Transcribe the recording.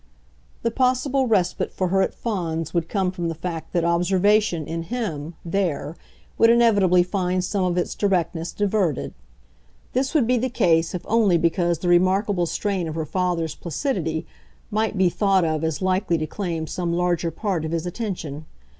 The possible respite for her at Fawns would come from the fact that observation, in him, there, would inevitably find some of its directness diverted. This would be the case if only because the remarkable strain of her father's placidity might be thought of as likely to claim some larger part of his attention.